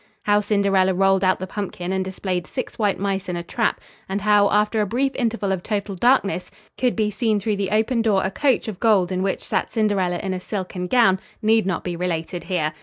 How Cinderella rolled out the pumpkin and displayed six white mice in a trap, and how, after a brief interval of total darkness, could be seen through the open door a coach of gold in which sat Cinderella in a silken gown, need not be related here.